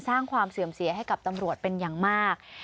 สร้างความเสื่อมเสียให้กับตำรวจเป็นอย่างมาก